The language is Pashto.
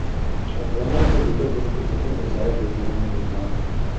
افغانانو ته د زده کړو ښه فرصتونه مساعد وه خو له منځه ولاړل.